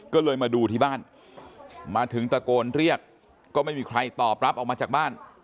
ก็เลยมาดูที่บ้านมาถึงตะโกนเรียกก็ไม่มีใครตอบรับออกมาจากบ้าน